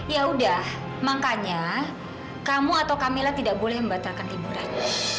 ya udah makanya kamu atau camilla tidak boleh membatalkan liburan